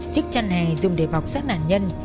chiếc chăn này dùng để bọc sát nạn nhân